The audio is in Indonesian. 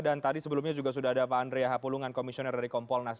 dan tadi sebelumnya juga sudah ada pak andrea hapulungan komisioner dari kompolnas